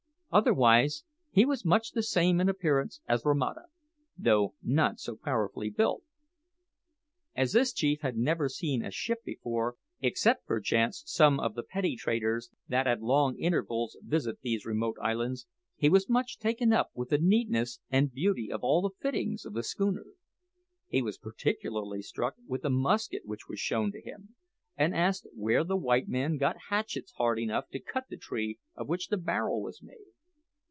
Otherwise he was much the same in appearance as Romata, though not so powerfully built. As this chief had never seen a ship before except, perchance, some of the petty traders that at long intervals visit these remote islands he was much taken up with the neatness and beauty of all the fittings of the schooner. He was particularly struck with a musket which was shown to him, and asked where the white men got hatchets hard enough to cut the tree of which the barrel was made!